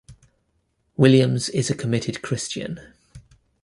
Williams is a committed Christian.